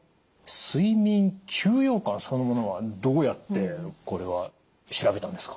睡眠休養感そのものはどうやってこれは調べたんですか？